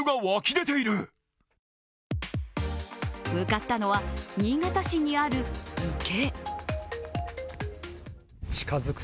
向かったのは新潟市にある池。